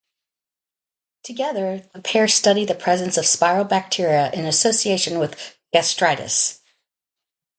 Together, the pair studied the presence of spiral bacteria in association with gastritis.